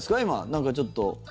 なんか、ちょっと。